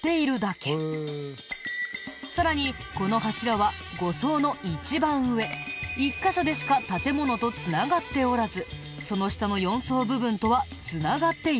さらにこの柱は５層の一番上１カ所でしか建物と繋がっておらずその下の４層部分とは繋がっていないんだ。